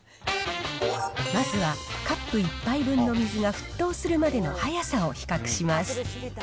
まずはカップ１杯分の水が沸騰するまでの速さを比較します。